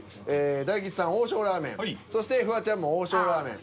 大吉さん「王将ラーメン」そしてフワちゃんも「王将ラーメン」